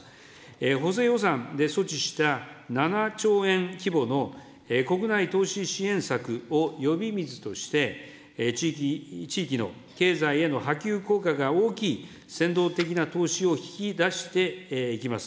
補正予算で措置した７兆円規模の国内投資支援策を呼び水として、地域の経済への波及効果が大きい先導的な投資を引き出していきます。